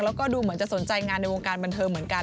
แล้วก็ดูเหมือนจะสนใจงานในวงการบันเทิงเหมือนกัน